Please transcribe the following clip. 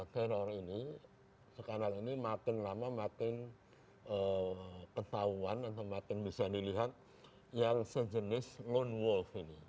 teror ini sekarang ini makin lama makin ketahuan atau makin bisa dilihat yang sejenis lone wolf ini